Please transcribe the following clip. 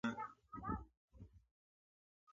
زه باید نوم او کړنه دواړه وپیژنم.